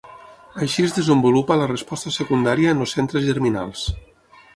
Així es desenvolupa la resposta secundària en els centres germinals.